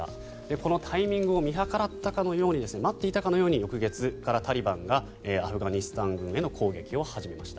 このタイミングを見計らったかのように待っていたかのように翌月からタリバンがアフガニスタン軍への攻撃を始めました。